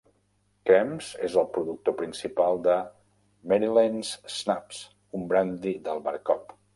Krems és el productor principal de Marillenschnaps, un brandy d'albercoc.